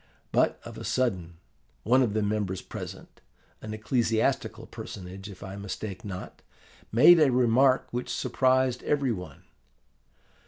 But of a sudden, one of the members present, an ecclesiastical personage if I mistake not, made a remark which surprised every one.